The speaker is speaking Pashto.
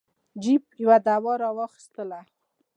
جیف یوه دوا را واخیستله.